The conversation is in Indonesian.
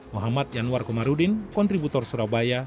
muhammad yanwar komarudin kontributor surabaya